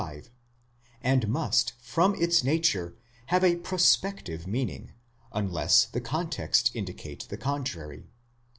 55), and must from its nature have a prospective meaning, unless the' context indicate the contrary.